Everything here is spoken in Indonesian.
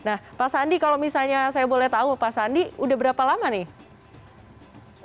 nah pak sandi kalau misalnya saya boleh tahu pak sandi udah berapa lama nih